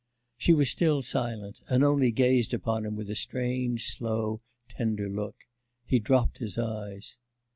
She was still silent, and only gazed upon him with a strange, slow, tender look. He dropped his eyes.